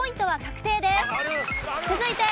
はい。